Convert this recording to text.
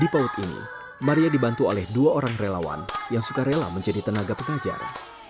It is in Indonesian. di paut ini maria dibantu oleh dua orang relawan yang suka rela menjadi tenaga pengajar